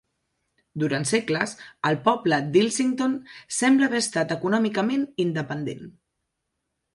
Durant segles, el poble d'Ilsington sembla haver estat econòmicament independent.